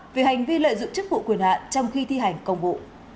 vì hành vi lợi dụng chức vụ quyền hạn trong khi thi hành công vụ